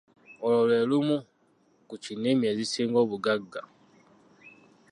Olwo lwe lumu ki nnimi ezisinga obugagga.